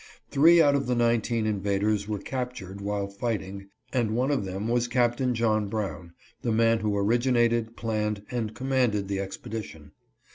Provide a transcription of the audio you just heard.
Three out of the nineteen invaders were captured while fighting, and one of them was Capt. John Brown, the man who originated, planned, and commanded the expedition.